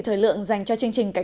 thời lượng dành cho chương trình cải